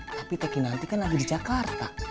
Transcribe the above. tapi teki nanti kan lagi di jakarta